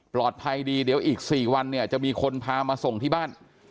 ดีเดี๋ยวอีก๔วันเนี่ยจะมีคนพามาส่งที่บ้าน